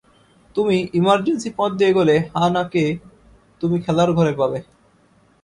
তুমি ইমার্জেন্সি পথ দিয়ে এগোলে হা-না কে তুমি খেলার ঘরে পাবে।